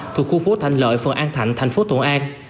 thuộc khu phố thạnh lợi phường an thạnh thành phố thuận an